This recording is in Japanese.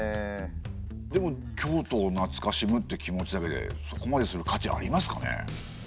でも京都をなつかしむって気持ちだけでそこまでする価値ありますかね？